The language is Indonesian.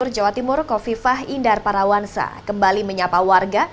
jawa timur kofifah indar parawansa kembali menyapa warga